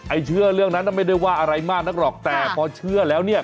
เชื่อเรื่องนั้นไม่ได้ว่าอะไรมากนักหรอกแต่พอเชื่อแล้วเนี่ย